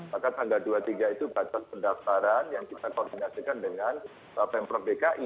maka tanggal dua puluh tiga itu batas pendaftaran yang kita koordinasikan dengan pemprov dki